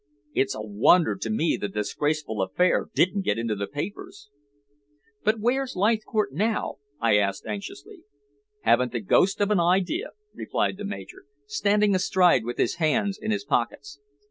It's a wonder to me the disgraceful affair didn't get into the papers." "But where's Leithcourt now?" I asked anxiously. "Haven't the ghost of an idea," replied the Major, standing astride with his hands in his pockets.